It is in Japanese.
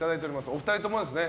お二人ともですね。